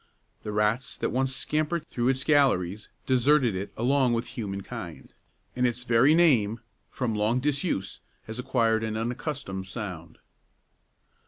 The rats that once scampered through its galleries deserted it along with human kind, and its very name, from long disuse, has acquired an unaccustomed sound.